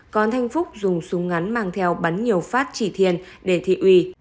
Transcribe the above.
còn thành phúc dùng súng ngắn mang theo bắn nhiều phát chỉ thiền để thị uy